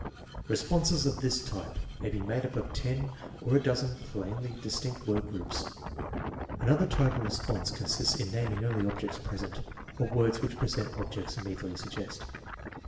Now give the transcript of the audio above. Responses of this type may be made up of ten or a dozen plainly distinct word groups. Another type of response consists in naming only ob jects present, or words which present objects immediately suggest.